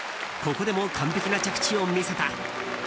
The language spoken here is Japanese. ここでも完璧な着地を見せた。